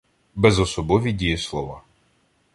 Безособові дієслова